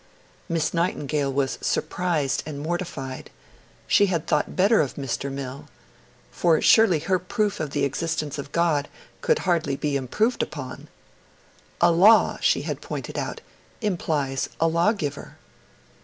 Miss Nightingale was surprised and mortified; she had thought better of Mr. Mill; for surely her proof of the existence of God could hardly be improved upon. 'A law,' she had pointed out, 'implies a law giver.'